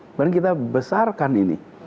kemudian kita besarkan ini